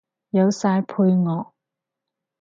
有晒配樂